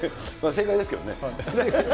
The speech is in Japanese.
正解ですけどね。